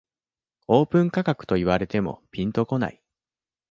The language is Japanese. オープン価格と言われてもピンとこない